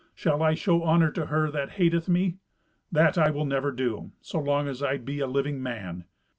Shall I show honour to her that hateth me? That I will never do, so long as I be a living man.